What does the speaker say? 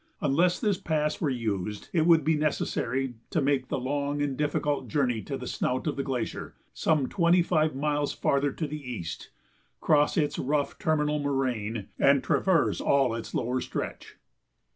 Unless this pass were used, it would be necessary to make the long and difficult journey to the snout of the glacier, some twenty miles farther to the east, cross its rough terminal moraine, and traverse all its lower stretch.